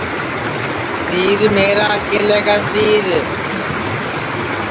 سِیر میرا ایکلے کا سِیر